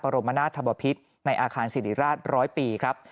รมนาธบพิษในอาคารศิริราชร้อยปีครับ